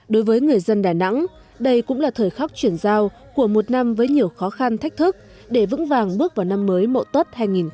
đối với người dân đà nẵng đây cũng là thời khắc chuyển giao của một năm với nhiều khó khăn thách thức để vững vàng bước vào năm mới mộ tốt hai nghìn một mươi tám